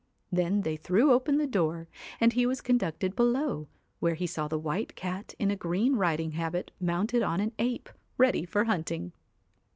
Then they threw open the door, and he was conducted below, where he saw the White Cat in a green riding habit mounted on an ape, ready for hunting.